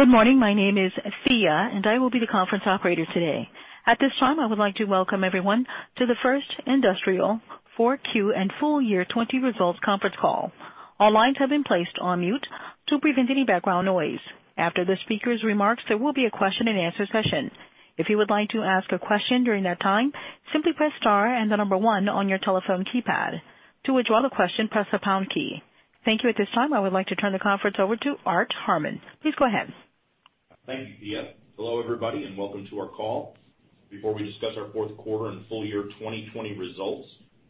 Good morning. My name is Thea, and I will be the conference operator today. At this time, I would like to welcome everyone to the First Industrial 4Q and full year 2020 results conference call. All lines have been placed on mute to prevent any background noise. After the speaker's remarks, there will be a question and answer session. If you would like to ask a question during that time, simply press star and the number one on your telephone keypad. To withdraw the question, press the pound key. Thank you. At this time, I would like to turn the conference over to Art Harmon. Please go ahead. Thank you, Thea. Hello, everybody, and welcome to our call. Before we discuss our fourth quarter and full year 2020 results,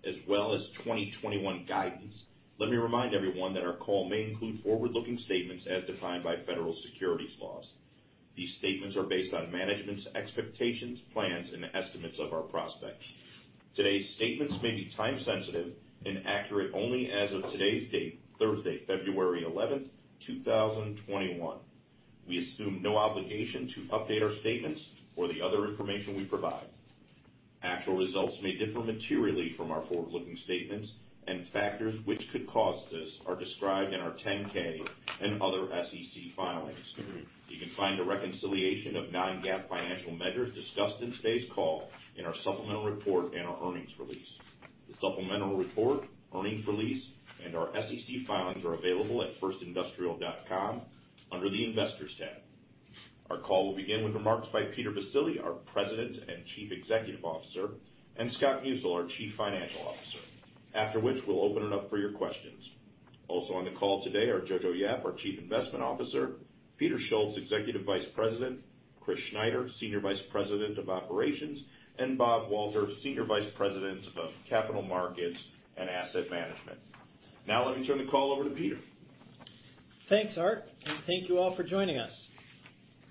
as well as 2021 guidance, let me remind everyone that our call may include forward-looking statements as defined by federal securities laws. These statements are based on management's expectations, plans, and estimates of our prospects. Today's statements may be time sensitive and accurate only as of today's date, Thursday, February 11th, 2021. We assume no obligation to update our statements or the other information we provide. Actual results may differ materially from our forward-looking statements. Factors which could cause this are described in our 10-K and other SEC filings. You can find a reconciliation of non-GAAP financial measures discussed in today's call in our supplemental report and our earnings release. The supplemental report, earnings release, and our SEC filings are available at firstindustrial.com under the investors tab. Our call will begin with remarks by Peter Baccile, our President and Chief Executive Officer, and Scott Musil, our Chief Financial Officer, after which we'll open it up for your questions. Also on the call today are Jojo Yap, our Chief Investment Officer, Peter Schultz, Executive Vice President, Chris Schneider, Senior Vice President of Operations, and Bob Walter, Senior Vice President of Capital Markets and Asset Management. Now let me turn the call over to Peter. Thanks, Art. Thank you all for joining us.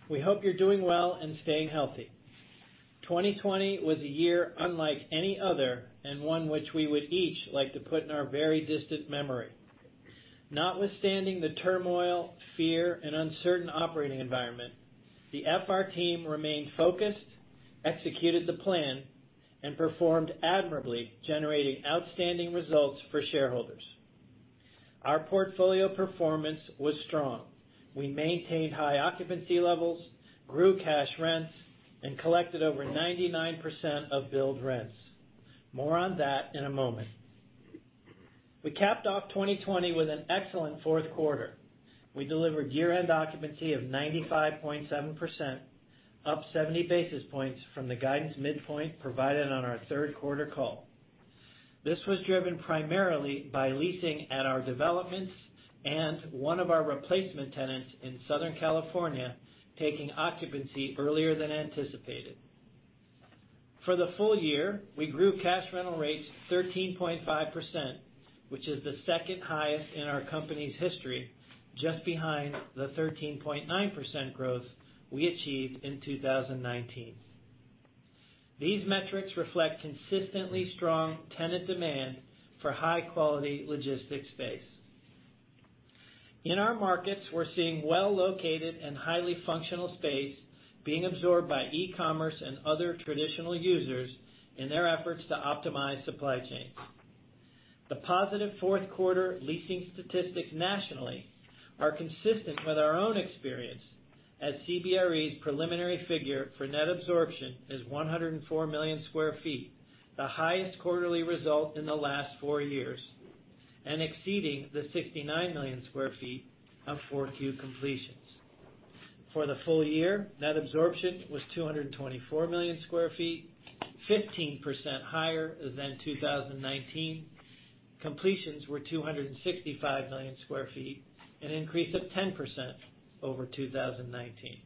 We hope you're doing well and staying healthy. 2020 was a year unlike any other, one which we would each like to put in our very distant memory. Notwithstanding the turmoil, fear, and uncertain operating environment, the FR team remained focused, executed the plan, and performed admirably, generating outstanding results for shareholders. Our portfolio performance was strong. We maintained high occupancy levels, grew cash rents, and collected over 99% of billed rents. More on that in a moment. We capped off 2020 with an excellent fourth quarter. We delivered year-end occupancy of 95.7%, up 70 basis points from the guidance midpoint provided on our third quarter call. This was driven primarily by leasing at our developments and one of our replacement tenants in Southern California taking occupancy earlier than anticipated. For the full year, we grew cash rental rates 13.5%, which is the second highest in our company's history, just behind the 13.9% growth we achieved in 2019. These metrics reflect consistently strong tenant demand for high-quality logistics space. In our markets, we're seeing well-located and highly functional space being absorbed by e-commerce and other traditional users in their efforts to optimize supply chains. The positive fourth quarter leasing statistics nationally are consistent with our own experience as CBRE's preliminary figure for net absorption is 104 million square feet, the highest quarterly result in the last four years, and exceeding the 69 million square feet of 4Q completions. For the full year, net absorption was 224 million square feet, 15% higher than 2019. Completions were 265 million square feet, an increase of 10% over 2019.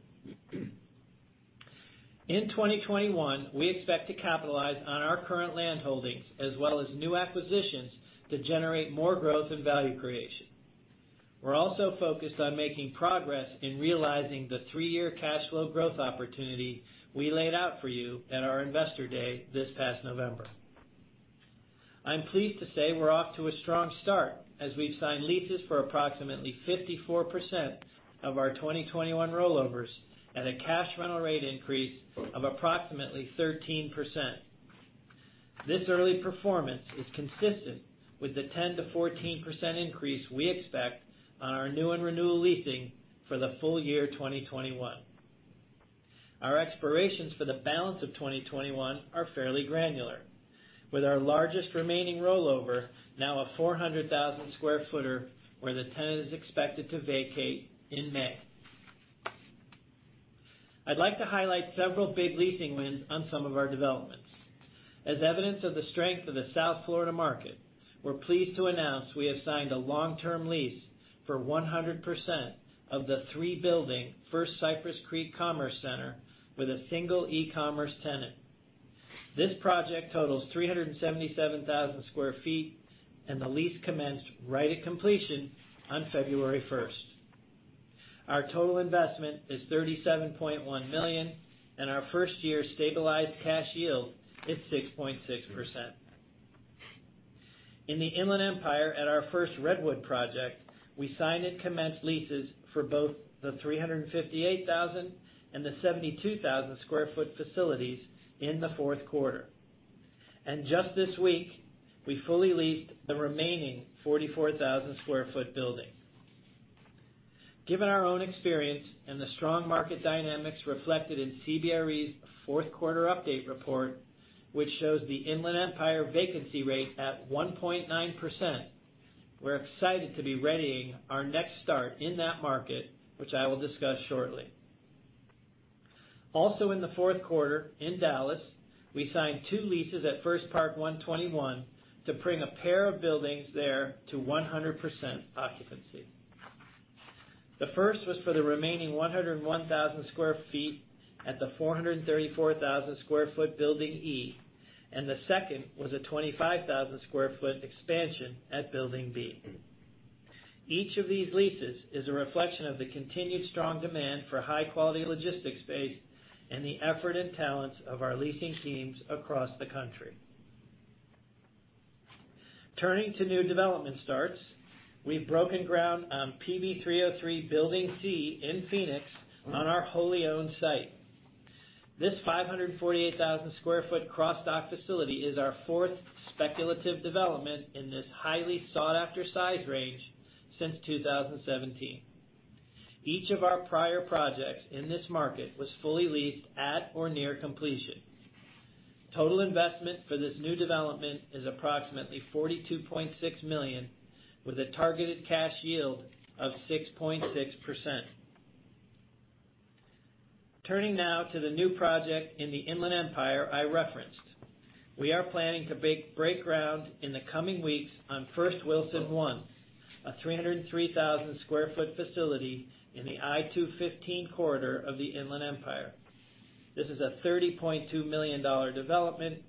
In 2021, we expect to capitalize on our current land holdings as well as new acquisitions to generate more growth and value creation. We're also focused on making progress in realizing the three-year cash flow growth opportunity we laid out for you at our Investor Day this past November. I'm pleased to say we're off to a strong start as we've signed leases for approximately 54% of our 2021 rollovers at a cash rental rate increase of approximately 13%. This early performance is consistent with the 10%-14% increase we expect on our new and renewal leasing for the full year 2021. Our expirations for the balance of 2021 are fairly granular, with our largest remaining rollover now a 400,000 square footer, where the tenant is expected to vacate in May. I'd like to highlight several big leasing wins on some of our developments. As evidence of the strength of the South Florida market, we're pleased to announce we have signed a long-term lease for 100% of the three-building First Cypress Creek Commerce Center with a single e-commerce tenant. This project totals 377,000 sq ft, the lease commenced right at completion on February 1st. Our total investment is $37.1 million, our first-year stabilized cash yield is 6.6%. In the Inland Empire at our First Redwood project, we signed and commenced leases for both the 358,000 and the 72,000 sq ft facilities in the fourth quarter. Just this week, we fully leased the remaining 44,000 sq ft building. Given our own experience and the strong market dynamics reflected in CBRE's fourth quarter update report, which shows the Inland Empire vacancy rate at 1.9%, we're excited to be readying our next start in that market, which I will discuss shortly. In the fourth quarter, in Dallas, we signed two leases at First Park 121 to bring a pair of buildings there to 100% occupancy. The first was for the remaining 101,000 sq ft at the 434,000 sq ft Building E, and the second was a 25,000 sq ft expansion at Building B. Each of these leases is a reflection of the continued strong demand for high-quality logistics space and the effort and talents of our leasing teams across the country. Turning to new development starts, we've broken ground on PV 303 Building C in Phoenix on our wholly-owned site. This 548,000 sq ft cross-dock facility is our fourth speculative development in this highly sought-after size range since 2017. Each of our prior projects in this market was fully leased at or near completion. Total investment for this new development is approximately $42.6 million, with a targeted cash yield of 6.6%. Turning now to the new project in the Inland Empire I referenced. We are planning to break ground in the coming weeks on First Wilson I, a 303,000 sq ft facility in the I-215 corridor of the Inland Empire. This is a $30.2 million development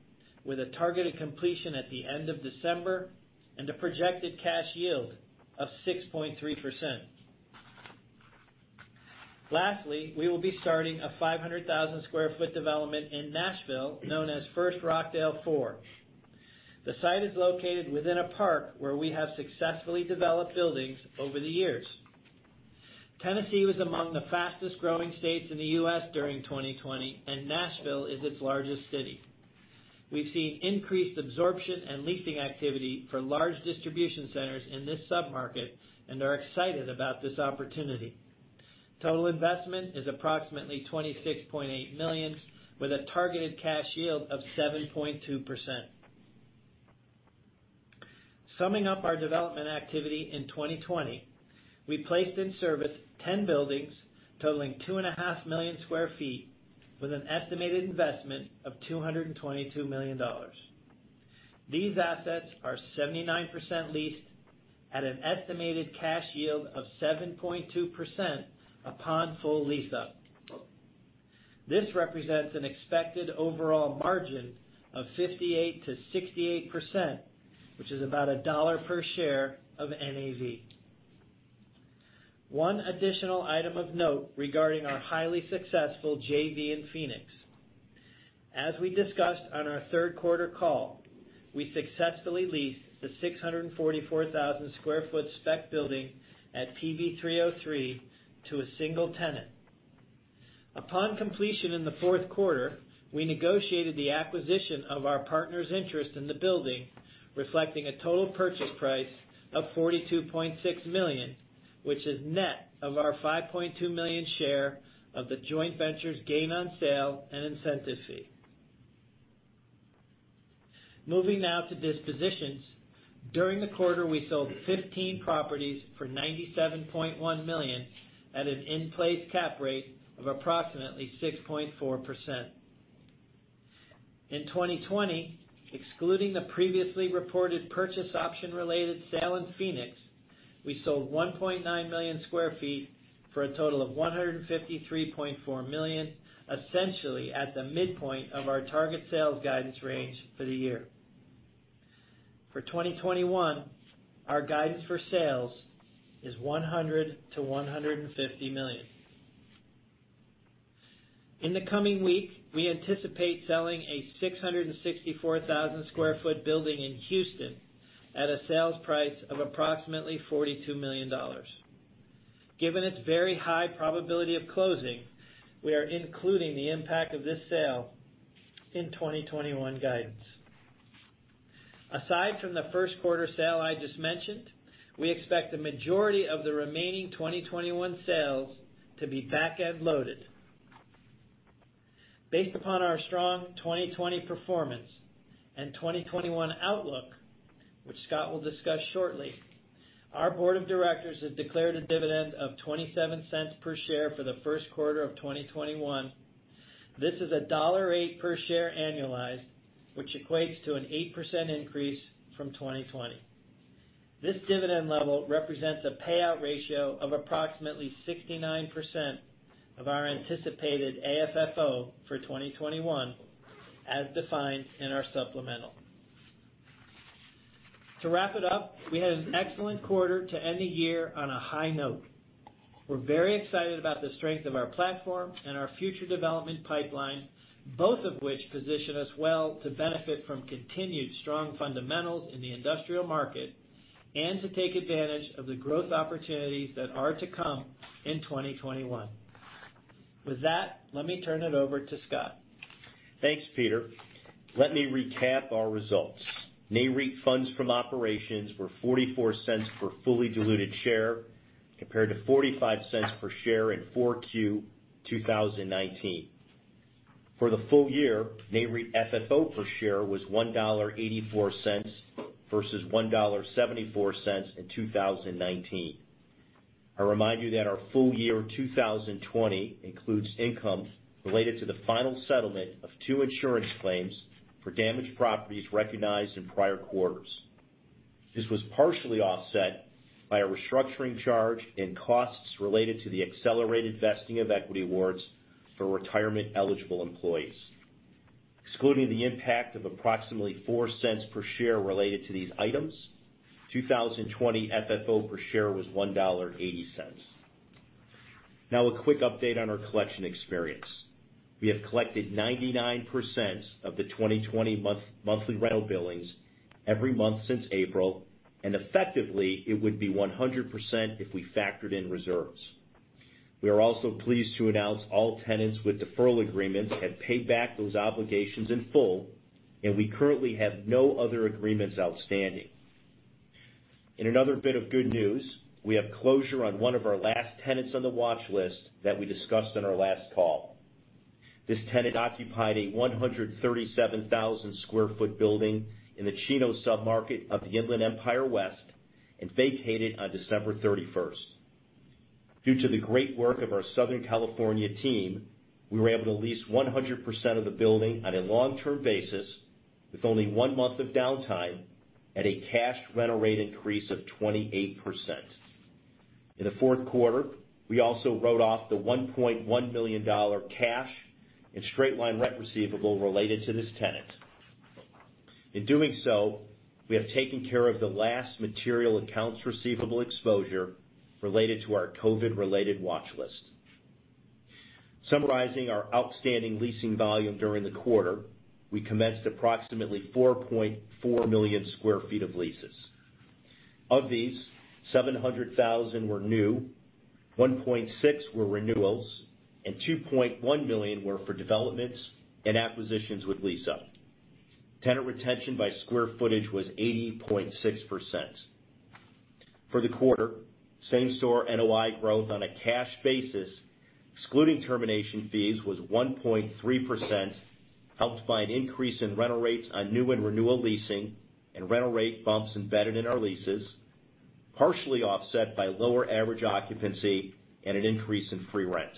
with a targeted completion at the end of December, and a projected cash yield of 6.3%. Lastly, we will be starting a 500,000 sq ft development in Nashville known as First Rockdale IV. The site is located within a park where we have successfully developed buildings over the years. Tennessee was among the fastest growing states in the U.S. during 2020, and Nashville is its largest city. We've seen increased absorption and leasing activity for large distribution centers in this sub-market and are excited about this opportunity. Total investment is approximately $26.8 million, with a targeted cash yield of 7.2%. Summing up our development activity in 2020, we placed in service 10 buildings totaling 2.5 million square feet with an estimated investment of $222 million. These assets are 79% leased at an estimated cash yield of 7.2% upon full lease up. This represents an expected overall margin of 58%-68%, which is about $1 per share of NAV. One additional item of note regarding our highly successful JV in Phoenix. As we discussed on our third quarter call, we successfully leased the 644,000 sq ft spec building at PV 303 to a single tenant. Upon completion in the fourth quarter, we negotiated the acquisition of our partner's interest in the building, reflecting a total purchase price of $42.6 million, which is net of our $5.2 million share of the joint venture's gain on sale and incentive fee. Moving now to dispositions. During the quarter, we sold 15 properties for $97.1 million at an in-place cap rate of approximately 6.4%. In 2020, excluding the previously reported purchase option related sale in Phoenix, we sold 1.9 million square feet for a total of $153.4 million, essentially at the midpoint of our target sales guidance range for the year. For 2021, our guidance for sales is $100 million-$150 million. In the coming week, we anticipate selling a 664,000 sq ft building in Houston at a sales price of approximately $42 million. Given its very high probability of closing, we are including the impact of this sale in 2021 guidance. Aside from the first quarter sale I just mentioned, we expect the majority of the remaining 2021 sales to be back-end loaded. Based upon our strong 2020 performance and 2021 outlook, which Scott will discuss shortly, our Board of Directors has declared a dividend of $0.27 per share for the first quarter of 2021. This is $1.08 per share annualized, which equates to an 8% increase from 2020. This dividend level represents a payout ratio of approximately 69% of our anticipated AFFO for 2021, as defined in our supplemental. To wrap it up, we had an excellent quarter to end the year on a high note. We're very excited about the strength of our platform and our future development pipeline, both of which position us well to benefit from continued strong fundamentals in the industrial market and to take advantage of the growth opportunities that are to come in 2021. With that, let me turn it over to Scott. Thanks, Peter. Let me recap our results. NAREIT Funds from operations were $0.44 per fully diluted share, compared to $0.45 per share in 4Q 2019. For the full year, NAREIT FFO per share was $1.84 versus $1.74 in 2019. I remind you that our full year 2020 includes income related to the final settlement of two insurance claims for damaged properties recognized in prior quarters. This was partially offset by a restructuring charge in costs related to the accelerated vesting of equity awards for retirement-eligible employees. Excluding the impact of approximately $0.04 per share related to these items, 2020 FFO per share was $1.80. A quick update on our collection experience. We have collected 99% of the 2020 monthly rental billings every month since April, and effectively, it would be 100% if we factored in reserves. We are also pleased to announce all tenants with deferral agreements have paid back those obligations in full, and we currently have no other agreements outstanding. In another bit of good news, we have closure on one of our last tenants on the watch list that we discussed on our last call. This tenant occupied a 137,000 sq ft building in the Chino submarket of the Inland Empire West and vacated on December 31st. Due to the great work of our Southern California team, we were able to lease 100% of the building on a long-term basis with only one month of downtime at a cash rental rate increase of 28%. In the fourth quarter, we also wrote off the $1.1 million cash and straight-line rent receivable related to this tenant. In doing so, we have taken care of the last material accounts receivable exposure related to our COVID-related watch list. Summarizing our outstanding leasing volume during the quarter, we commenced approximately 4.4 million square feet of leases. Of these, 700,000 were new, 1.6 million were renewals, and 2.1 million were for developments and acquisitions with lease up. Tenant retention by square footage was 80.6%. For the quarter, same store NOI growth on a cash basis, excluding termination fees, was 1.3%, helped by an increase in rental rates on new and renewal leasing and rental rate bumps embedded in our leases, partially offset by lower average occupancy and an increase in free rent.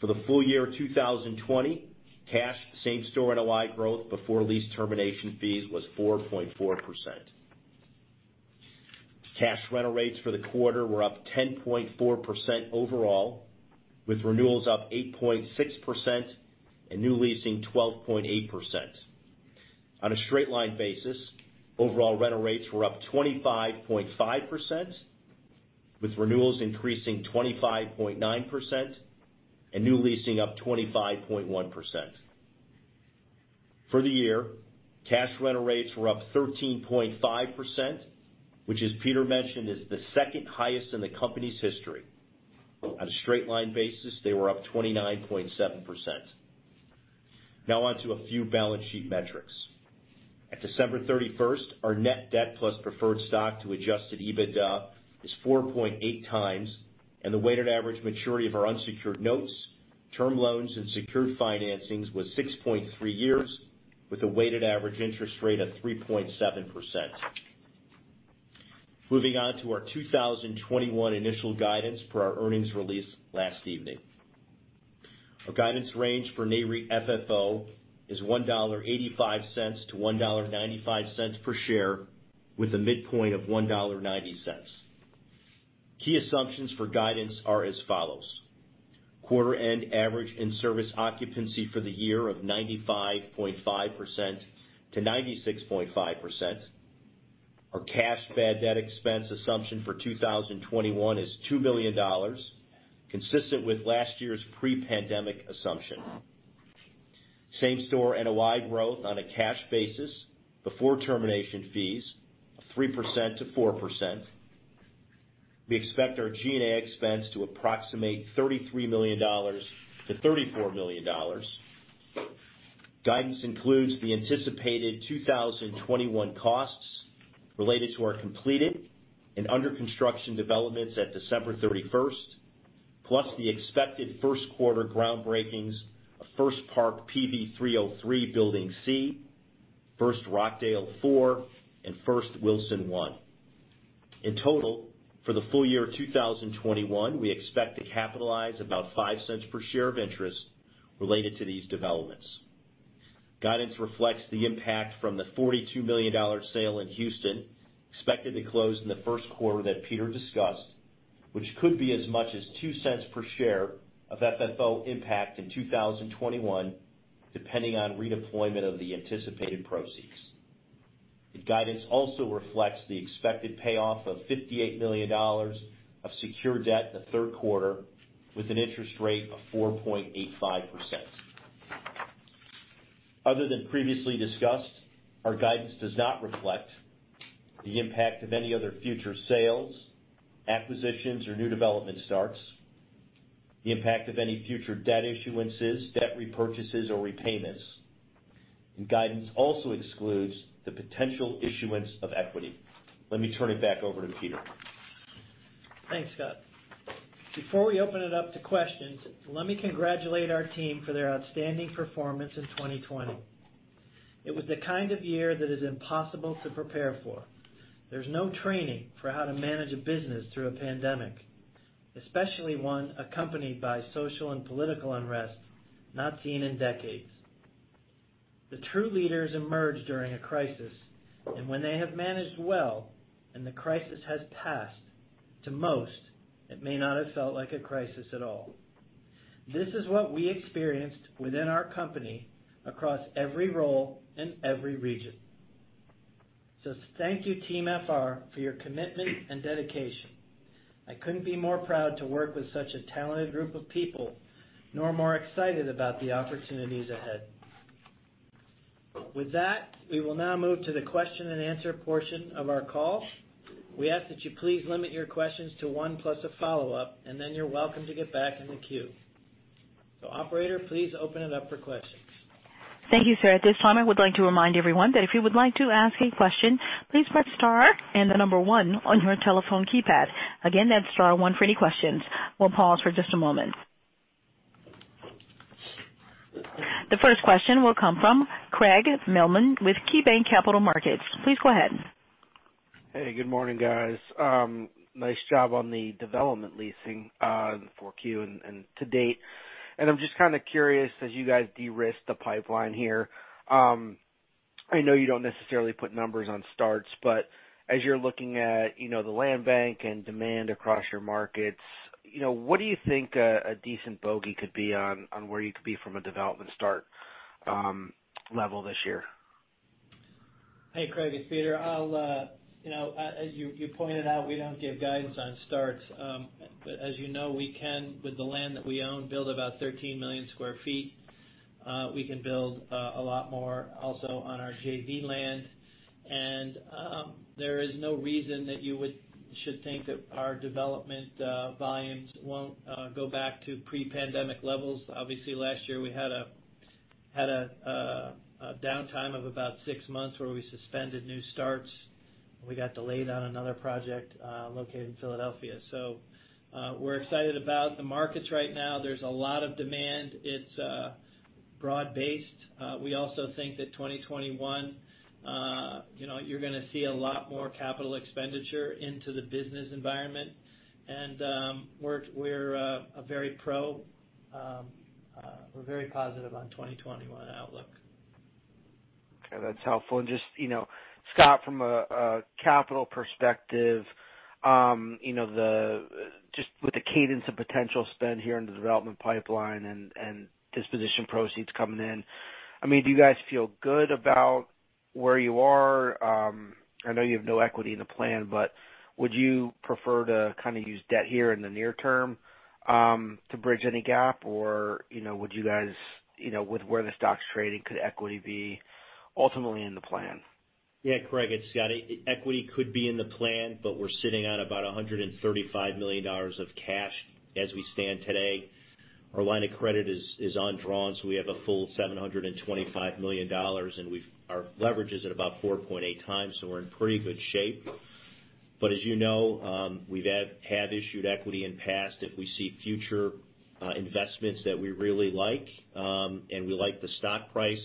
For the full year 2020, cash same store NOI growth before lease termination fees was 4.4%. Cash rental rates for the quarter were up 10.4% overall, with renewals up 8.6% and new leasing 12.8%. On a straight line basis, overall rental rates were up 25.5%, with renewals increasing 25.9% and new leasing up 25.1%. For the year, cash rental rates were up 13.5%, which as Peter mentioned, is the second highest in the company's history. On a straight line basis, they were up 29.7%. On to a few balance sheet metrics. At December 31st, our net debt plus preferred stock to adjusted EBITDA is 4.8 times, and the weighted average maturity of our unsecured notes, term loans, and secured financings was 6.3 years, with a weighted average interest rate of 3.7%. Moving on to our 2021 initial guidance per our earnings release last evening. Our guidance range for NAREIT FFO is $1.85-$1.95 per share, with a midpoint of $1.90. Key assumptions for guidance are as follows. Quarter end average in service occupancy for the year of 95.5%-96.5%. Our cash bad debt expense assumption for 2021 is $2 million, consistent with last year's pre-pandemic assumption. Same store NOI growth on a cash basis before termination fees of 3%-4%. We expect our G&A expense to approximate $33 million-$34 million. Guidance includes the anticipated 2021 costs related to our completed and under construction developments at December 31st, plus the expected first quarter groundbreakings of First Park @ PV 303 Building C, First Rockdale IV, and First Wilson I. In total, for the full year 2021, we expect to capitalize about $0.05 per share of interest related to these developments. Guidance reflects the impact from the $42 million sale in Houston, expected to close in the first quarter that Peter discussed, which could be as much as $0.02 per share of FFO impact in 2021, depending on redeployment of the anticipated proceeds. The guidance also reflects the expected payoff of $58 million of secure debt in the third quarter, with an interest rate of 4.85%. Other than previously discussed, our guidance does not reflect the impact of any other future sales, acquisitions, or new development starts, the impact of any future debt issuances, debt repurchases, or repayments. Guidance also excludes the potential issuance of equity. Let me turn it back over to Peter. Thanks, Scott. Before we open it up to questions, let me congratulate our team for their outstanding performance in 2020. It was the kind of year that is impossible to prepare for. There's no training for how to manage a business through a pandemic, especially one accompanied by social and political unrest not seen in decades. The true leaders emerge during a crisis, and when they have managed well and the crisis has passed, to most, it may not have felt like a crisis at all. This is what we experienced within our company, across every role in every region. Thank you, team FR, for your commitment and dedication. I couldn't be more proud to work with such a talented group of people, nor more excited about the opportunities ahead. With that, we will now move to the question and answer portion of our call. We ask that you please limit your questions to one plus a follow-up, and then you're welcome to get back in the queue. Operator, please open it up for questions. Thank you, sir. At this time, I would like to remind everyone that if you would like to ask a question, please press star and the number one on your telephone keypad. Again, that's star one for any questions. We'll pause for just a moment. The first question will come from Craig Mailman with KeyBanc Capital Markets. Please go ahead. Hey, good morning, guys. Nice job on the development leasing on 4Q and to date. I'm just kind of curious, as you guys de-risk the pipeline here, I know you don't necessarily put numbers on starts, but as you're looking at the land bank and demand across your markets, what do you think a decent bogey could be on where you could be from a development start level this year? Hey, Craig, it's Peter. As you pointed out, we don't give guidance on starts. As you know, we can, with the land that we own, build about 13 million square feet. We can build a lot more also on our JV land. There is no reason that you should think that our development volumes won't go back to pre-pandemic levels. Obviously, last year we had a downtime of about six months where we suspended new starts, and we got delayed on another project located in Philadelphia. We're excited about the markets right now. There's a lot of demand. It's broad-based. We also think that 2021, you're going to see a lot more capital expenditure into the business environment. We're very positive on 2021 outlook. Okay, that's helpful. Just, Scott, from a capital perspective, just with the cadence of potential spend here in the development pipeline and disposition proceeds coming in, do you guys feel good about where you are? I know you have no equity in the plan, but would you prefer to kind of use debt here in the near term to bridge any gap? With where the stock's trading, could equity be ultimately in the plan? Yeah, Craig, it's Scott. Equity could be in the plan, we're sitting on about $135 million of cash as we stand today. Our line of credit is undrawn, we have a full $725 million, our leverage is at about 4.8 times, we're in pretty good shape. As you know, we have issued equity in past. If we see future investments that we really like, we like the stock price,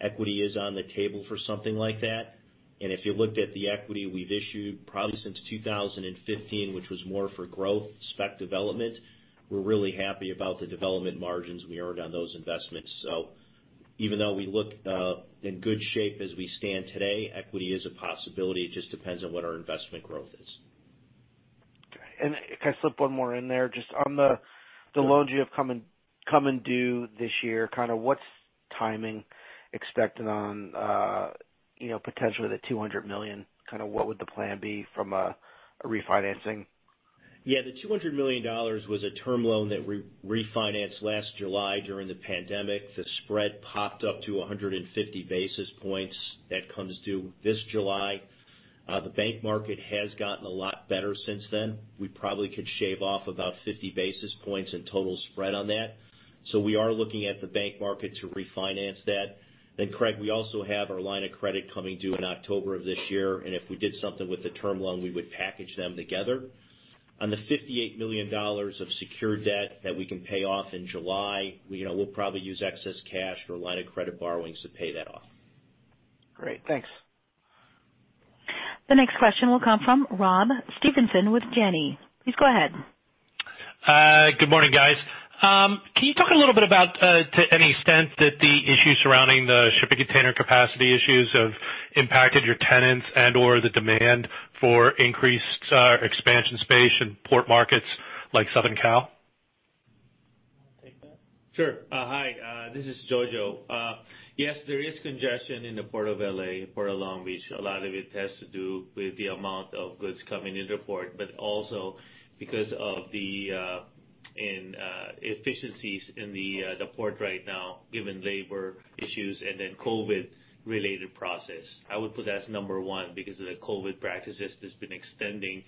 equity is on the table for something like that. If you looked at the equity we've issued probably since 2015, which was more for growth, spec development, we're really happy about the development margins we earned on those investments. Even though we look in good shape as we stand today, equity is a possibility. It just depends on what our investment growth is. Okay. Can I slip one more in there? Just on the loans you have coming due this year, kind of what's timing expected on potentially the $200 million? Kind of what would the plan be from a refinancing? Yeah. The $200 million was a term loan that refinanced last July during the pandemic. The spread popped up to 150 basis points. That comes due this July. The bank market has gotten a lot better since then. We probably could shave off about 50 basis points in total spread on that. We are looking at the bank market to refinance that. Craig, we also have our line of credit coming due in October of this year, and if we did something with the term loan, we would package them together. On the $58 million of secured debt that we can pay off in July, we'll probably use excess cash or line of credit borrowings to pay that off. Great. Thanks. The next question will come from Rob Stevenson with Janney. Please go ahead. Good morning, guys. Can you talk a little bit about, to any extent, that the issues surrounding the shipping container capacity issues have impacted your tenants and/or the demand for increased expansion space in port markets like Southern Cal? You want to take that? Sure. Hi, this is Jojo. Yes, there is congestion in the Port of L.A., Port of Long Beach. A lot of it has to do with the amount of goods coming into port, but also because of the inefficiencies in the port right now, given labor issues and COVID-related process. I would put that as number one because of the COVID practices that has been extending,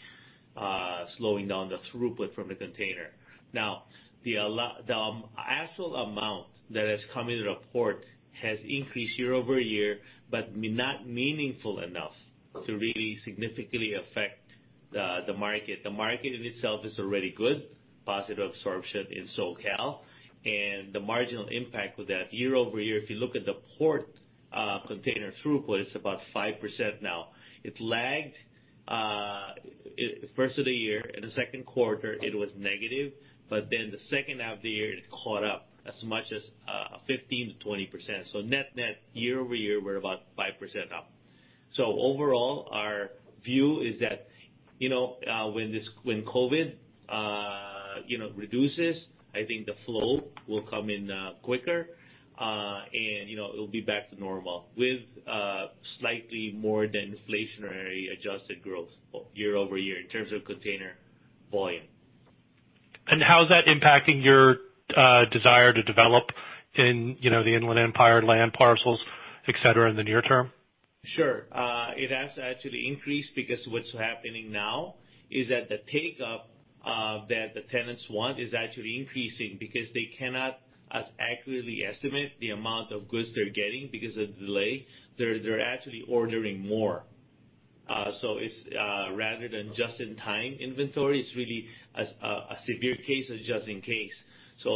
slowing down the throughput from the container. The actual amount that has come into the port has increased year-over-year, but not meaningful enough to really significantly affect the market. The market in itself is already good. Positive absorption in SoCal. The marginal impact of that year-over-year, if you look at the port container throughput, it is about 5% now. It lagged first of the year. In the second quarter it was negative, the second half of the year it caught up as much as 15%-20%. Net-net, year-over-year, we're about 5% up. Overall, our view is that when COVID reduces, I think the flow will come in quicker, and it'll be back to normal with slightly more than inflationary adjusted growth year-over-year in terms of container volume. How is that impacting your desire to develop in the Inland Empire land parcels, et cetera, in the near term? Sure. It has to actually increase because what's happening now is that the take-up that the tenants want is actually increasing because they cannot as accurately estimate the amount of goods they're getting because of the delay. They're actually ordering more. Rather than just-in-time inventory, it's really a severe case of just in case.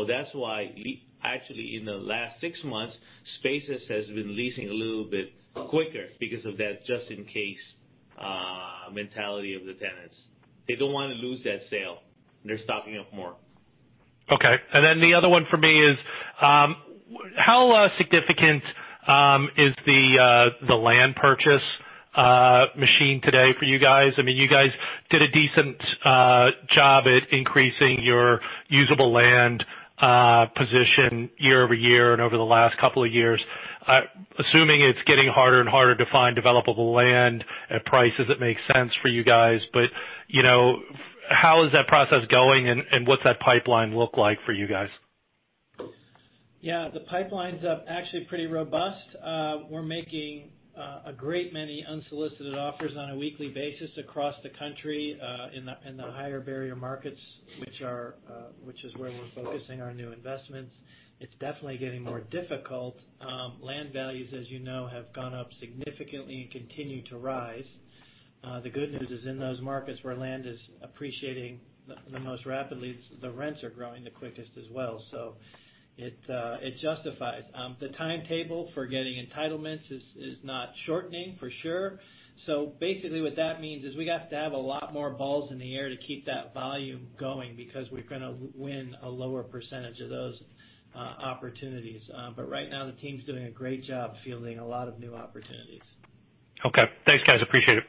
That's why actually in the last six months, spaces has been leasing a little bit quicker because of that just in case mentality of the tenants. They don't want to lose that sale. They're stocking up more. Okay. The other one for me is, how significant is the land purchase machine today for you guys? You guys did a decent job at increasing your usable land position year-over-year and over the last couple of years. Assuming it's getting harder and harder to find developable land at prices that make sense for you guys, but how is that process going and what's that pipeline look like for you guys? The pipeline's actually pretty robust. We're making a great many unsolicited offers on a weekly basis across the country in the higher barrier markets, which is where we're focusing our new investments. It's definitely getting more difficult. Land values, as you know, have gone up significantly and continue to rise. The good news is in those markets where land is appreciating the most rapidly, the rents are growing the quickest as well, so it justifies. The timetable for getting entitlements is not shortening, for sure. Basically what that means is we have to have a lot more balls in the air to keep that volume going because we're going to win a lower percentage of those opportunities. Right now, the team's doing a great job fielding a lot of new opportunities. Okay. Thanks, guys, appreciate it.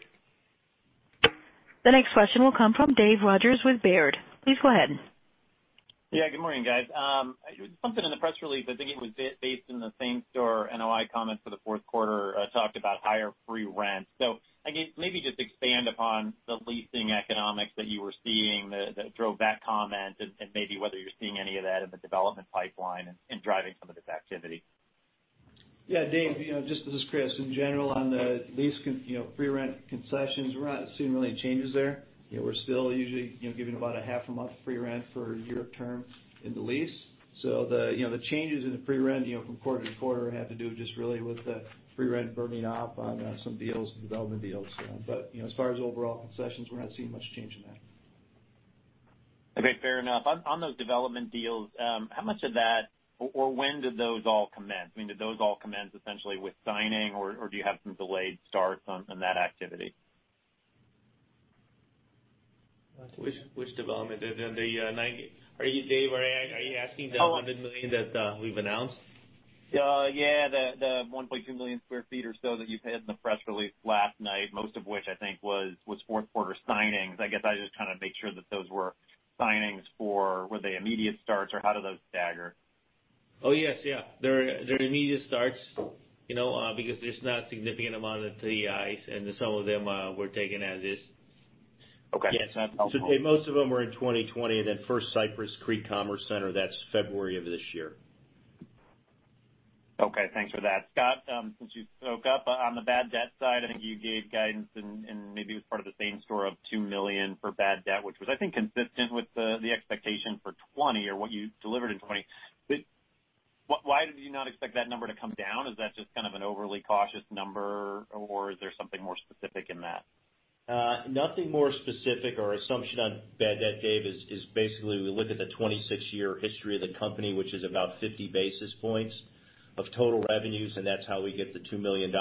The next question will come from Dave Rodgers with Baird. Please go ahead. Yeah, good morning, guys. Something in the press release, I think it was based in the same store NOI comment for the fourth quarter, talked about higher free rent. Maybe just expand upon the leasing economics that you were seeing that drove that comment and maybe whether you're seeing any of that in the development pipeline and driving some of this activity. Dave, this is Chris. In general, on the lease free rent concessions, we're not seeing really any changes there. We're still usually giving about a half a month free rent for a year of term in the lease. The changes in the free rent from quarter to quarter have to do just really with the free rent burning off on some deals and development deals. As far as overall concessions, we're not seeing much change in that. Okay, fair enough. On those development deals, how much of that or when did those all commence? Did those all commence essentially with signing, or do you have some delayed starts on that activity? Which development? Dave, are you asking the $100 million that we've announced? Yeah, the 1.2 million square feet or so that you've had in the press release last night, most of which I think was fourth quarter signings. I guess I'm just trying to make sure that those were signings for, were they immediate starts or how do those stagger? Oh, yes. Yeah. They're immediate starts, because there's not significant amount of TIs, and some of them we're taking as is. Okay. That's helpful. Most of them are in 2020, then First Cypress Creek Commerce Center, that's February of this year. Okay. Thanks for that. Scott, since you spoke up on the bad debt side, I think you gave guidance and maybe it was part of the same store of $2 million for bad debt, which was, I think, consistent with the expectation for 2020 or what you delivered in 2020. Why did you not expect that number to come down? Is that just kind of an overly cautious number, or is there something more specific in that? Nothing more specific. Our assumption on bad debt, Dave, is basically we look at the 26-year history of the company, which is about 50 basis points of total revenues, and that's how we get the $2 million.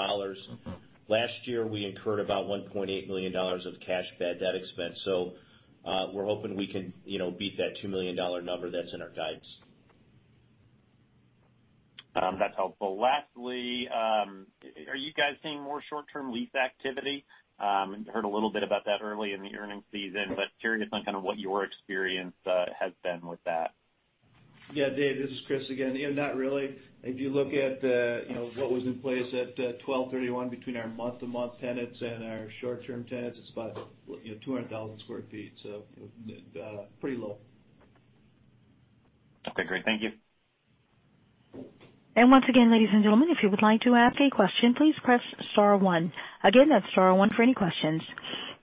Last year, we incurred about $1.8 million of cash bad debt expense. We're hoping we can beat that $2 million number that's in our guidance. That's helpful. Lastly, are you guys seeing more short-term lease activity? Heard a little bit about that early in the earnings season, but curious on kind of what your experience has been with that. Yeah, Dave, this is Chris again. Not really. If you look at what was in place at 12/31 between our month-to-month tenants and our short-term tenants, it's about 200,000 sq ft. Pretty low. Okay, great. Thank you. Once again, ladies and gentlemen, if you would like to ask a question, please press star one. Again, that's star one for any questions.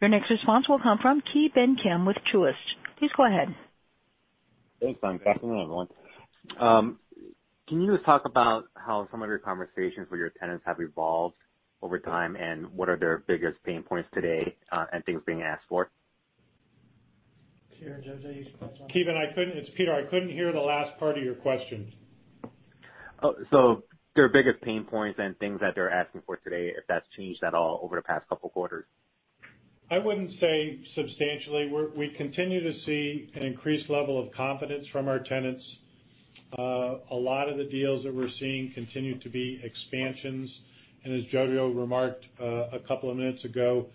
Your next response will come from Ki Bin Kim with Truist. Please go ahead. Thanks. I'm back with another one. Can you just talk about how some of your conversations with your tenants have evolved over time, and what are their biggest pain points today, and things being asked for? Here, Jojo, you should touch on that. Ki Bin, it's Peter. I couldn't hear the last part of your question. Their biggest pain points and things that they're asking for today, if that's changed at all over the past couple of quarters? I wouldn't say substantially. We continue to see an increased level of confidence from our tenants. A lot of the deals that we're seeing continue to be expansions, and as Jojo remarked a couple of minutes ago,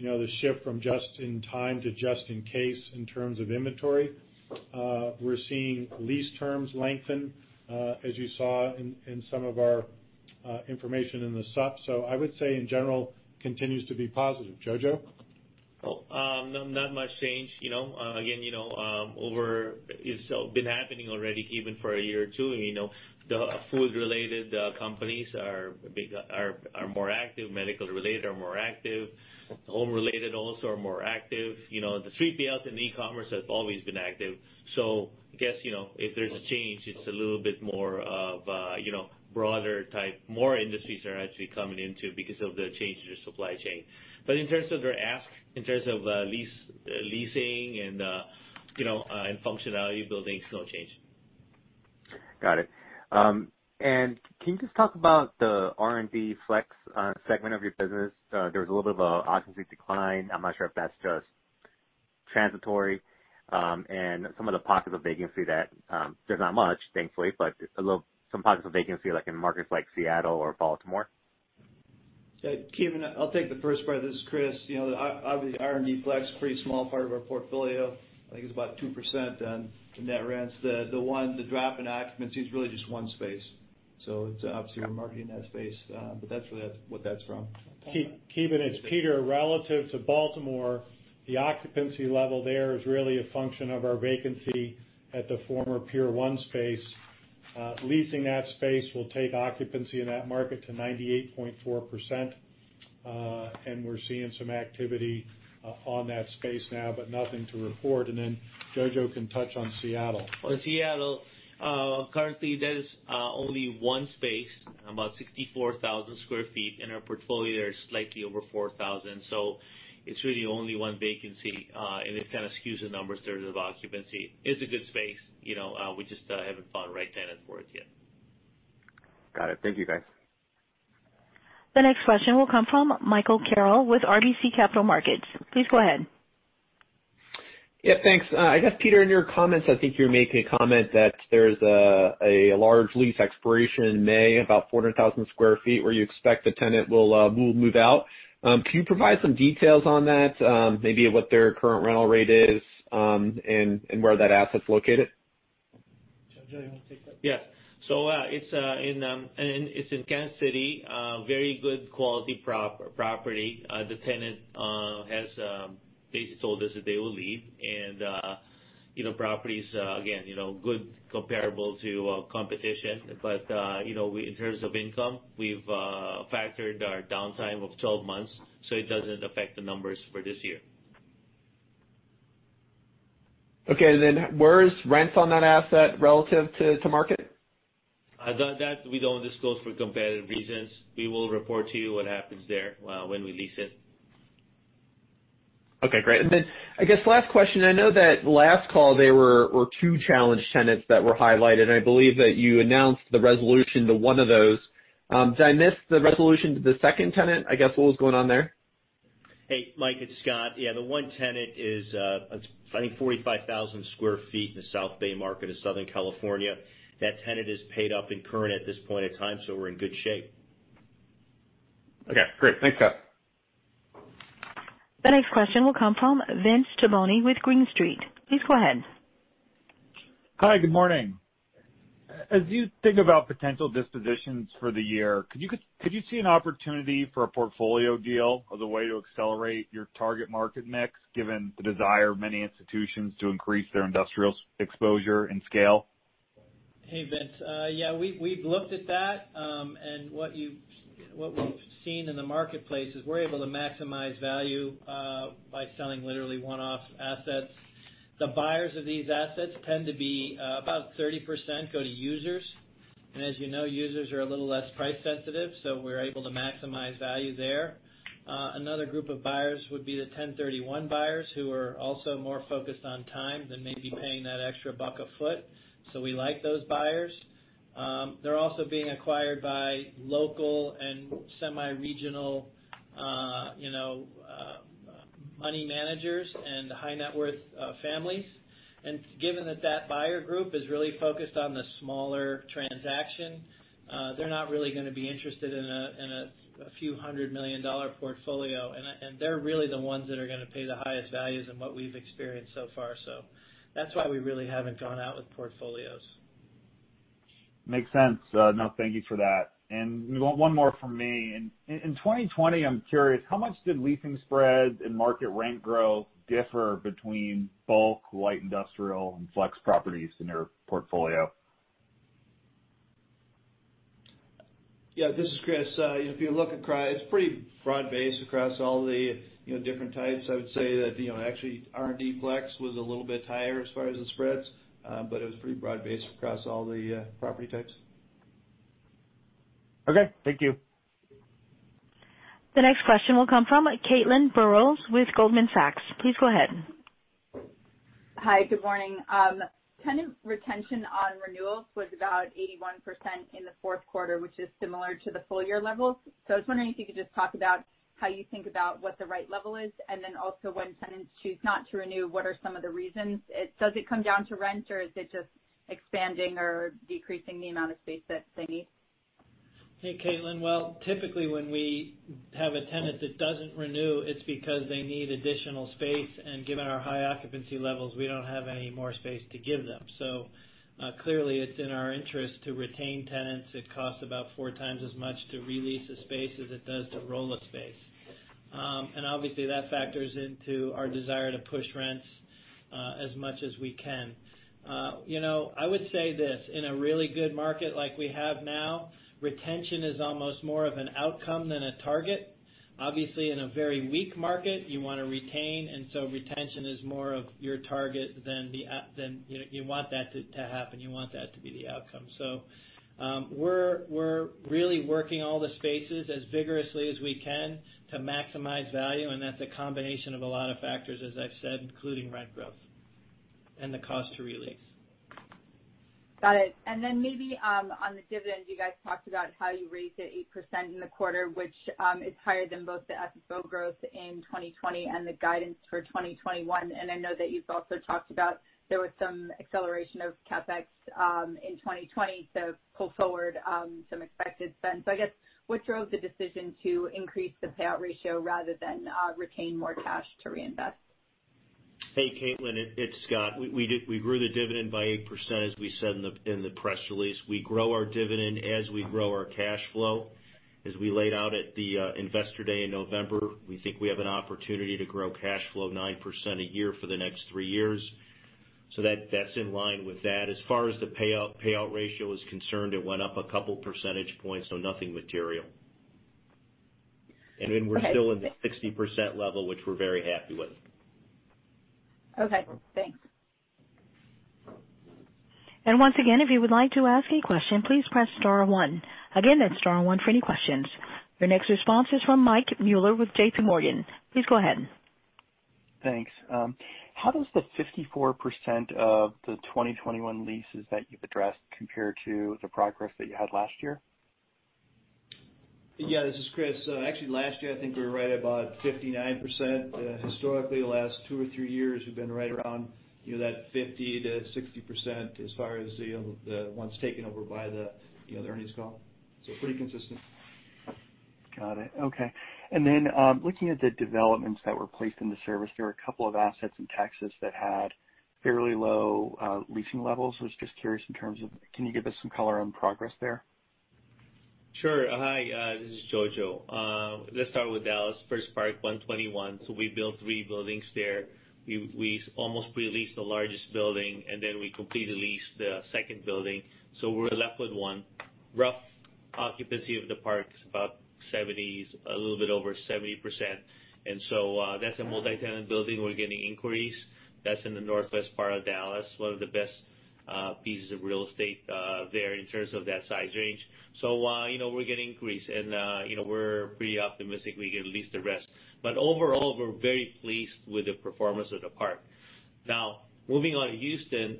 the shift from just in time to just in case in terms of inventory. We're seeing lease terms lengthen, as you saw in some of our information in the supp. I would say, in general, continues to be positive. Jojo? Well, not much change. It's been happening already even for a year or two. The food-related companies are more active, medical-related are more active, home-related also are more active. The 3PLs and e-commerce has always been active. I guess, if there's a change, it's a little bit more of broader type. More industries are actually coming into because of the change in the supply chain. In terms of their ask, in terms of leasing and functionality of buildings, no change. Got it. Can you just talk about the R&D/flex segment of your business? There was a little bit of a occupancy decline. I'm not sure if that's just transitory. Some of the pockets of vacancy that, there's not much, thankfully, but some pockets of vacancy like in markets like Seattle or Baltimore. Ki Bin, I'll take the first part. This is Chris. Obviously, R&D/flex is a pretty small part of our portfolio. I think it's about 2% on the net rents. The drop in occupancy is really just one space. It's obviously we're marketing that space, but that's where what that's from. Ki Bin, it's Peter. Relative to Baltimore, the occupancy level there is really a function of our vacancy at the former Pier 1 space. Leasing that space will take occupancy in that market to 98.4%. We're seeing some activity on that space now, but nothing to report. Jojo can touch on Seattle. For Seattle, currently there is only one space, about 64,000 sq ft. In our portfolio, there's slightly over 4,000. It's really only one vacancy, and it kind of skews the numbers in terms of occupancy. It's a good space. We just haven't found the right tenant for it yet. Got it. Thank you, guys. The next question will come from Michael Carroll with RBC Capital Markets. Please go ahead. Yeah, thanks. I guess, Peter, in your comments, I think you were making a comment that there's a large lease expiration in May, about 400,000 sq ft where you expect the tenant will move out. Can you provide some details on that, maybe what their current rental rate is, and where that asset's located? Jojo, you want to take that? Yeah. It's in Kansas City. Very good quality property. The tenant has basically told us that they will leave. Property's, again, good comparable to competition. In terms of income, we've factored our downtime of 12 months, so it doesn't affect the numbers for this year. Okay, where is rents on that asset relative to market? That we don't disclose for competitive reasons. We will report to you what happens there when we lease it. Okay, great. I guess last question. I know that last call there were two challenged tenants that were highlighted, and I believe that you announced the resolution to one of those. Did I miss the resolution to the second tenant? I guess, what was going on there? Hey, Mike, it's Scott. Yeah, the one tenant is, I think 45,000 sq ft in the South Bay market of Southern California. That tenant is paid up and current at this point in time. We're in good shape. Okay, great. Thanks, Scott. The next question will come from Vince Tibone with Green Street. Please go ahead. Hi, good morning. As you think about potential dispositions for the year, could you see an opportunity for a portfolio deal as a way to accelerate your target market mix, given the desire of many institutions to increase their industrial exposure and scale? Hey, Vince. Yeah, we've looked at that, and what we've seen in the marketplace is we're able to maximize value by selling literally one-off assets. The buyers of these assets tend to be about 30% go to users. As you know, users are a little less price sensitive, we're able to maximize value there. Another group of buyers would be the 1031 buyers, who are also more focused on time than maybe paying that extra buck a foot. We like those buyers. They're also being acquired by local and semi-regional money managers and high-net-worth families. Given that that buyer group is really focused on the smaller transaction. They're not really going to be interested in a few hundred million dollar portfolio, and they're really the ones that are going to pay the highest values in what we've experienced so far. That's why we really haven't gone out with portfolios. Makes sense. No, thank you for that. One more from me. In 2020, I'm curious, how much did leasing spreads and market rent growth differ between bulk, light industrial, and flex properties in your portfolio? Yeah, this is Chris. If you look across, it's pretty broad-based across all the different types. I would say that actually R&D/flex was a little bit higher as far as the spreads, but it was pretty broad-based across all the property types. Okay, thank you. The next question will come from Caitlin Burrows with Goldman Sachs. Please go ahead. Hi, good morning. Tenant retention on renewals was about 81% in the fourth quarter, which is similar to the full year levels. I was wondering if you could just talk about how you think about what the right level is, and then also when tenants choose not to renew, what are some of the reasons? Does it come down to rent, or is it just expanding or decreasing the amount of space that they need? Hey, Caitlin. Well, typically, when we have a tenant that doesn't renew, it's because they need additional space, and given our high occupancy levels, we don't have any more space to give them. Clearly it's in our interest to retain tenants. It costs about four times as much to re-lease a space as it does to roll a space. Obviously, that factors into our desire to push rents as much as we can. I would say this, in a really good market like we have now, retention is almost more of an outcome than a target. Obviously, in a very weak market, you want to retain. Retention is more of your target than. You want that to happen. You want that to be the outcome. We're really working all the spaces as vigorously as we can to maximize value, and that's a combination of a lot of factors, as I've said, including rent growth and the cost to re-lease. Got it. Maybe on the dividend, you guys talked about how you raised it 8% in the quarter, which is higher than both the FFO growth in 2020 and the guidance for 2021. I know that you've also talked about there was some acceleration of CapEx in 2020 to pull forward some expected spend. I guess what drove the decision to increase the payout ratio rather than retain more cash to reinvest? Hey, Caitlin, it's Scott. We grew the dividend by 8%, as we said in the press release. We grow our dividend as we grow our cash flow. As we laid out at the Investor Day in November, we think we have an opportunity to grow cash flow 9% a year for the next three years. That's in line with that. As far as the payout ratio is concerned, it went up a couple percentage points, so nothing material. Okay. We're still in the 60% level, which we're very happy with. Okay, thanks. Once again, if you would like to ask a question, please press star one. Again, that's star one for any questions. Your next response is from Mike Mueller with JPMorgan. Please go ahead. Thanks. How does the 54% of the 2021 leases that you've addressed compare to the progress that you had last year? Yeah, this is Chris. Actually, last year, I think we were right about 59%. Historically, the last two or three years, we've been right around that 50%-60% as far as the ones taken over by the earnings call. Pretty consistent. Got it. Okay. Looking at the developments that were placed into service, there were a couple of assets in Texas that had fairly low leasing levels. I was just curious in terms of, can you give us some color on progress there? Sure. Hi, this is Jojo. Let's start with Dallas, First Park 121. We built three buildings there. We almost pre-leased the largest building, then we completely leased the second building. We're left with one. Rough occupancy of the park's about 70s, a little bit over 70%. That's a multi-tenant building. We're getting inquiries. That's in the northwest part of Dallas, one of the best pieces of real estate there in terms of that size range. We're getting inquiries, and we're pretty optimistic we can lease the rest. Overall, we're very pleased with the performance of the park. Moving on to Houston,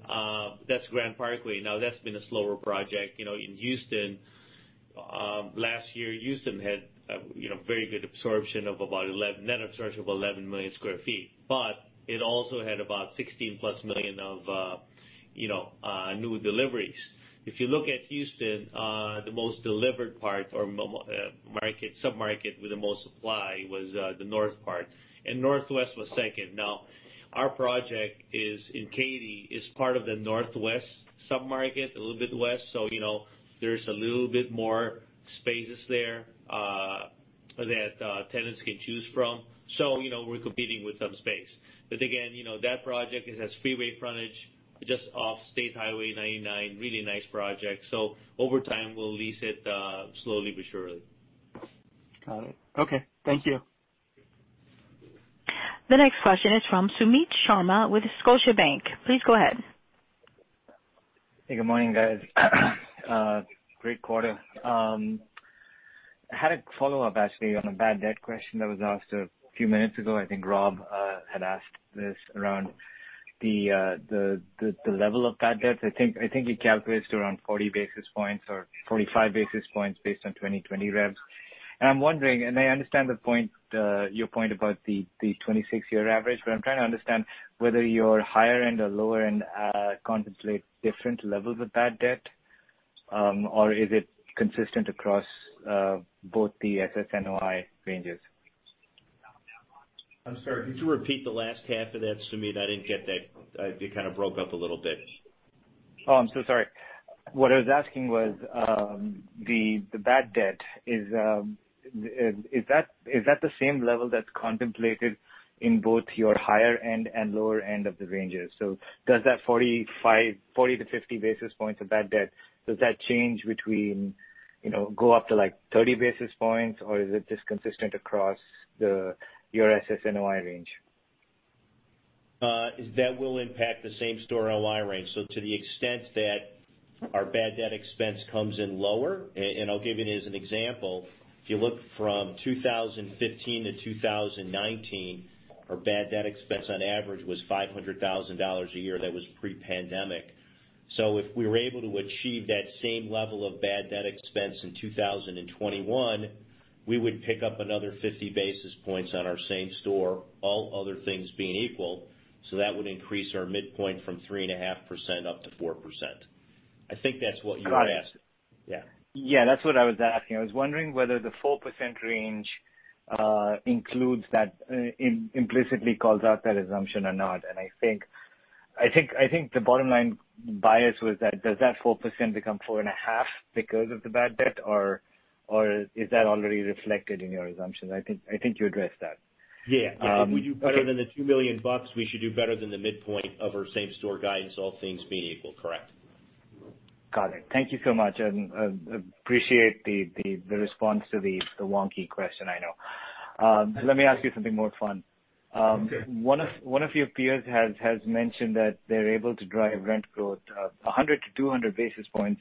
that's Grand Parkway. That's been a slower project. In Houston, last year, Houston had very good absorption of about 11 net absorption of 11 million square feet. It also had about 16+ million of new deliveries. If you look at Houston, the most delivered part or sub-market with the most supply was the north part. Northwest was second. Now, our project is in Katy. It's part of the Northwest sub-market, a little bit west. There's a little bit more spaces there that tenants can choose from. We're competing with some space. Again, that project, it has freeway frontage just off State Highway 99. Really nice project. Over time, we'll lease it slowly but surely. Got it. Okay. Thank you. The next question is from Sumit Sharma with Scotiabank. Please go ahead. Hey, good morning, guys. Great quarter. I had a follow-up, actually, on a bad debt question that was asked a few minutes ago. I think Rob had asked this around the level of bad debt. I think he calculates to around 40 basis points or 45 basis points based on 2020 revs. I'm wondering, and I understand your point about the 26-year average, but I'm trying to understand whether your higher end or lower end contemplates different levels of bad debt, or is it consistent across both the SSNOI ranges? I'm sorry, could you repeat the last half of that to me? I didn't get that. It kind of broke up a little bit. Oh, I'm so sorry. What I was asking was, the bad debt, is that the same level that's contemplated in both your higher end and lower end of the ranges? Does that 40-50 basis points of bad debt, does that change between, go up to like 30 basis points, or is it just consistent across your SSNOI range? That will impact the same-store NOI range. To the extent that our bad debt expense comes in lower, and I'll give it as an example. If you look from 2015 to 2019, our bad debt expense on average was $500,000 a year. That was pre-pandemic. If we were able to achieve that same level of bad debt expense in 2021, we would pick up another 50 basis points on our same store, all other things being equal. That would increase our midpoint from 3.5% up to 4%. I think that's what you were asking. Got it. Yeah. Yeah, that's what I was asking. I was wondering whether the 4% range implicitly calls out that assumption or not. I think the bottom line bias was that, does that 4% become 4.5% because of the bad debt, or is that already reflected in your assumptions? I think you addressed that. Yeah. I think we do better than the $2 million. We should do better than the midpoint of our same-store guidance, all things being equal, correct. Got it. Thank you so much. Appreciate the response to the wonky question, I know. Let me ask you something more fun. Okay. One of your peers has mentioned that they're able to drive rent growth of 100 to 200 basis points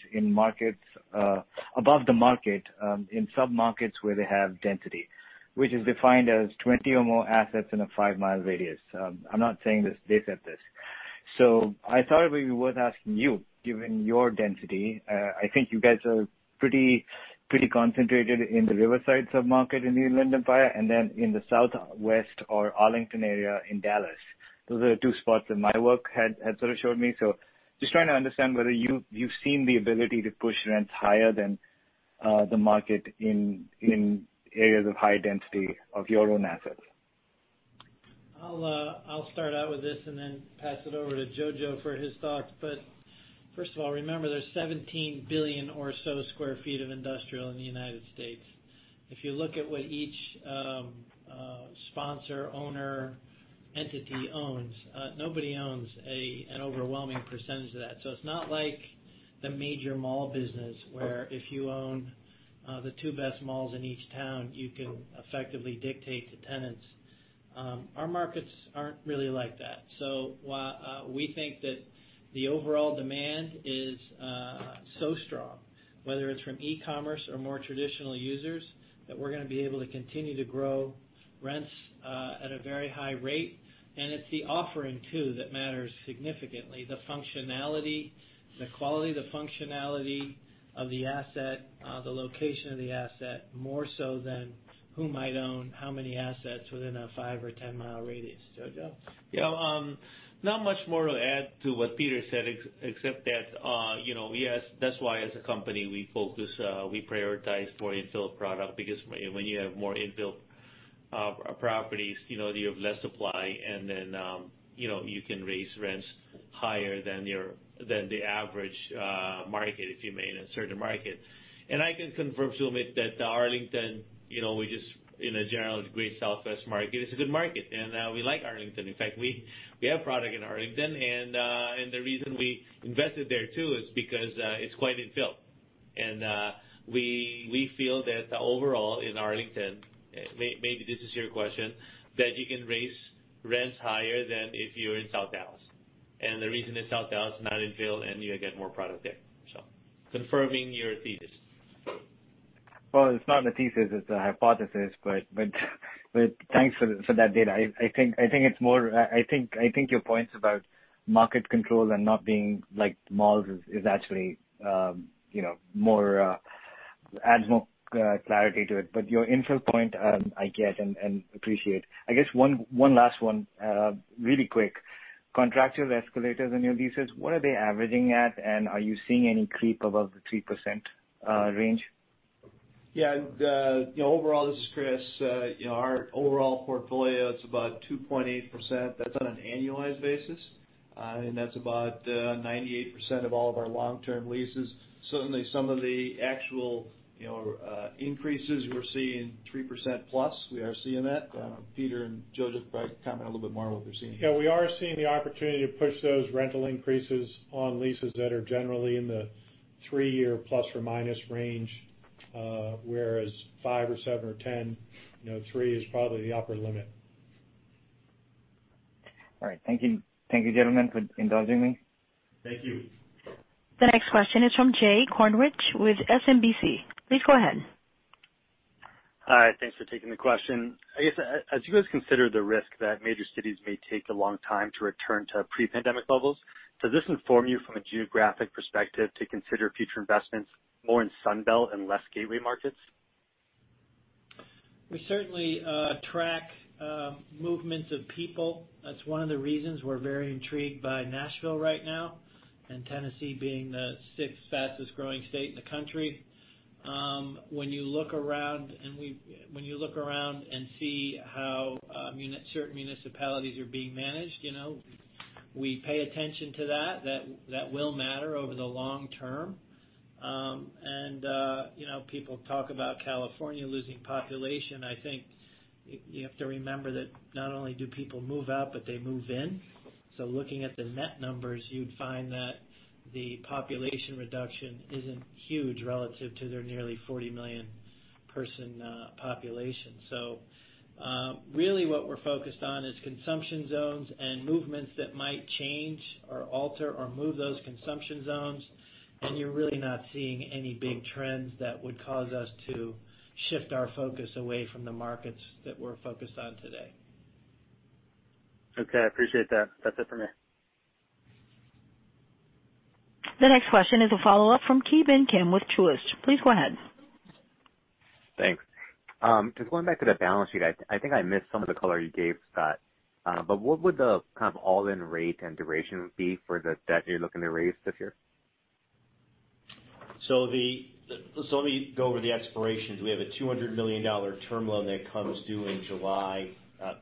above the market, in sub-markets where they have density, which is defined as 20 or more assets in a 5 mi radius. I'm not saying this, they said this. I thought it would be worth asking you, given your density. I think you guys are pretty concentrated in the Riverside submarket in the Inland Empire, and then in the Southwest or Arlington area in Dallas. Those are the two spots that my work had sort of showed me. Just trying to understand whether you've seen the ability to push rents higher than the market in areas of high density of your own assets. I'll start out with this and then pass it over to Jojo for his thoughts. First of all, remember, there's 17 billion or so square feet of industrial in the United States. If you look at what each sponsor, owner, entity owns, nobody owns an overwhelming percentage of that. It's not like the major mall business, where if you own the two best malls in each town, you can effectively dictate to tenants. Our markets aren't really like that. While we think that the overall demand is so strong, whether it's from e-commerce or more traditional users, that we're going to be able to continue to grow rents at a very high rate. It's the offering, too, that matters significantly. The quality, the functionality of the asset, the location of the asset, more so than who might own how many assets within a 5 mi or 10 mi radius. Jojo? Yeah. Not much more to add to what Peter said except that yes, that's why as a company, we prioritize more infill product because when you have more infill properties, you have less supply, then you can raise rents higher than the average market, if you may, in a certain market. I can confirm to you that Arlington, we just in a general degree, Southwest market is a good market, and we like Arlington. In fact, we have product in Arlington, and the reason we invested there too is because it's quite infill. We feel that overall in Arlington, maybe this is your question, that you can raise rents higher than if you're in South Dallas. The reason is South Dallas is not infill, and you get more product there. Confirming your thesis. Well, it's not a thesis, it's a hypothesis. Thanks for that data. I think your points about market control and not being like malls actually adds more clarity to it. Your infill point, I get and appreciate. I guess one last one, really quick. Contractual escalators on your leases, what are they averaging at, and are you seeing any creep above the 3% range? Yeah. Overall, this is Chris. Our overall portfolio, it's about 2.8%. That's on an annualized basis. That's about 98% of all of our long-term leases. Certainly, some of the actual increases, we're seeing 3%+. We are seeing that. Peter and Jojo could probably comment a little bit more on what they're seeing. Yeah, we are seeing the opportunity to push those rental increases on leases that are generally in the three-year plus or minus range, whereas 5 or 7 or 10, 3 is probably the upper limit. All right. Thank you, gentlemen, for indulging me. Thank you. The next question is from Jay Kornreich with SMBC. Please go ahead. Hi. Thanks for taking the question. I guess as you guys consider the risk that major cities may take a long time to return to pre-pandemic levels, does this inform you from a geographic perspective to consider future investments more in Sun Belt and less gateway markets? We certainly track movements of people. That's one of the reasons we're very intrigued by Nashville right now, Tennessee being the sixth fastest growing state in the country. When you look around and see how certain municipalities are being managed, we pay attention to that. That will matter over the long term. People talk about California losing population, I think you have to remember that not only do people move out, but they move in. Looking at the net numbers, you'd find that the population reduction isn't huge relative to their nearly 40 million person population. Really what we're focused on is consumption zones and movements that might change or alter or move those consumption zones. You're really not seeing any big trends that would cause us to shift our focus away from the markets that we're focused on today. Okay, I appreciate that. That's it for me. The next question is a follow-up from Ki Bin Kim with Truist. Please go ahead. Thanks. Just going back to the balance sheet, I think I missed some of the color you gave, Scott. What would the kind of all-in rate and duration be for the debt you're looking to raise this year? Let me go over the expirations. We have a $200 million term loan that comes due in July.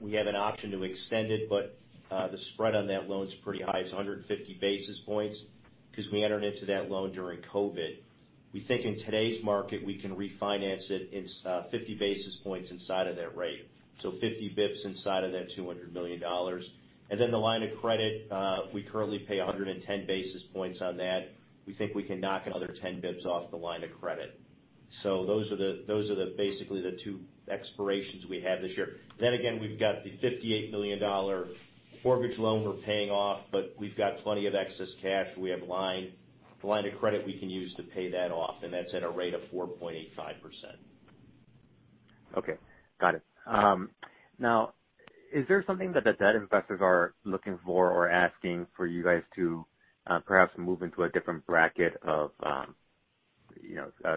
We have an option to extend it, the spread on that loan's pretty high. It's 150 basis points, because we entered into that loan during COVID. We think in today's market, we can refinance it. It's 50 basis points inside of that rate. 50 bps inside of that $200 million. The line of credit, we currently pay 110 basis points on that. We think we can knock another 10 bps off the line of credit. Those are basically the two expirations we have this year. We've got the $58 million mortgage loan we're paying off, we've got plenty of excess cash. We have line of credit we can use to pay that off, that's at a rate of 4.85%. Okay, got it. Is there something that the debt investors are looking for or asking for you guys to perhaps move into a different bracket of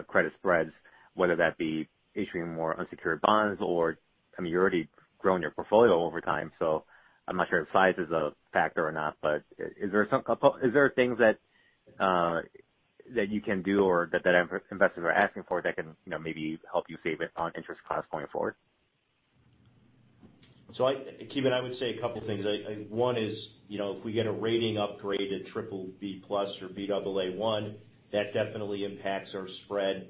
credit spreads, whether that be issuing more unsecured bonds or, you've already grown your portfolio over time, so I'm not sure if size is a factor or not. Is there things that you can do or that investors are asking for that can maybe help you save it on interest cost going forward? Ki Bin, I would say a couple things. One is, if we get a rating upgrade at BBB+ or Baa1, that definitely impacts our spread.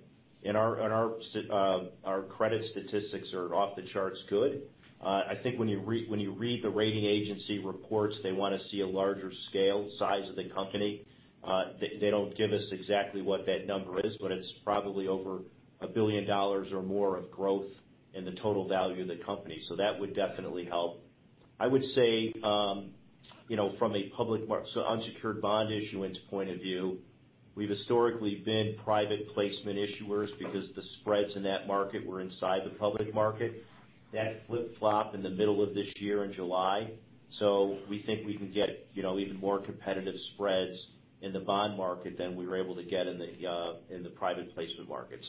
Our credit statistics are off the charts good. I think when you read the rating agency reports, they want to see a larger scale size of the company. They don't give us exactly what that number is, but it's probably over $1 billion or more of growth in the total value of the company. That would definitely help. I would say, from a public unsecured bond issuance point of view, we've historically been private placement issuers because the spreads in that market were inside the public market. That flip-flopped in the middle of this year in July, we think we can get even more competitive spreads in the bond market than we were able to get in the private placement market.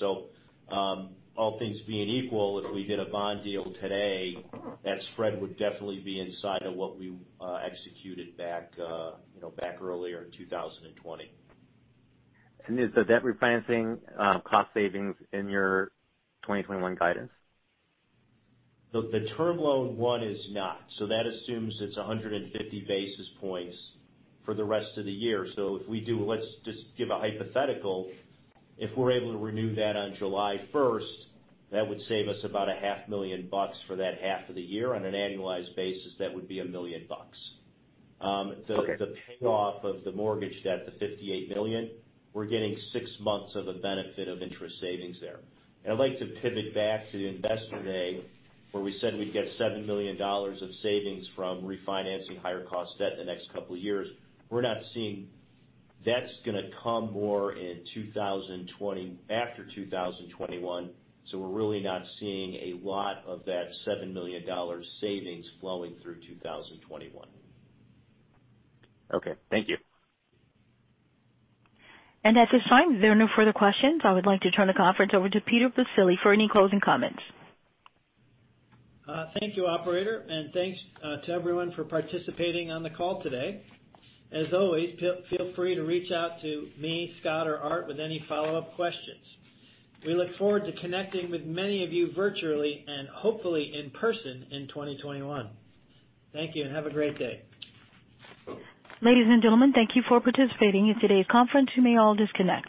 All things being equal, if we did a bond deal today, that spread would definitely be inside of what we executed back earlier in 2020. Is the debt refinancing cost savings in your 2021 guidance? The term loan one is not. That assumes it's 150 basis points for the rest of the year. Let's just give a hypothetical. If we're able to renew that on July 1st, that would save us about a half million bucks for that half of the year. On an annualized basis, that would be a million bucks. Okay. The payoff of the mortgage debt, the $58 million, we're getting six months of the benefit of interest savings there. I'd like to pivot back to the Investor Day, where we said we'd get $7 million of savings from refinancing higher cost debt in the next couple of years. That's going to come more after 2021, so we're really not seeing a lot of that $7 million savings flowing through 2021. Okay. Thank you. That's it. Fine. If there are no further questions, I would like to turn the conference over to Peter Baccile for any closing comments. Thank you, operator, and thanks to everyone for participating on the call today. As always, feel free to reach out to me, Scott, or Art with any follow-up questions. We look forward to connecting with many of you virtually and hopefully in person in 2021. Thank you, and have a great day. Ladies and gentlemen, thank you for participating in today's conference. You may all disconnect.